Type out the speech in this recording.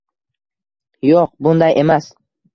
Yo'q, bunday emas.